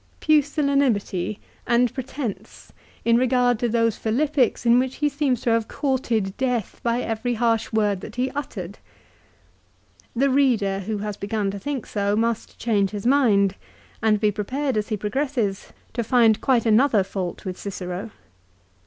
Pusillanimity, and pretence, in regard to those Philippics in which he seems to have courted death by every harsh word that he uttered ! The reader, who has begun to think so, must change his mind, and be prepared, as he progresses, to find quite another fault with Cicero.